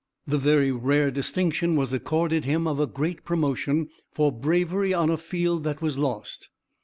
The very rare distinction was accorded him of a great promotion for bravery on a field that was lost.